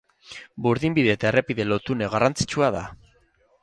Burdinbide eta errepide lotune garrantzitsua da.